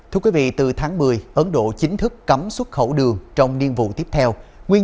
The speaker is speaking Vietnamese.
thưa quý vị từ tháng một mươi ấn độ chính thức cấm xuất khẩu đường trong niên vụ tiếp theo nguyên